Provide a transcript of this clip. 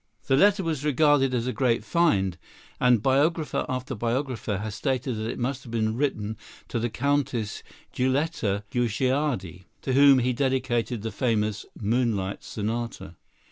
The letter was regarded as a great find, and biographer after biographer has stated that it must have been written to the Countess Giulietta Guicciardi, to whom he dedicated the famous "Moonlight Sonata."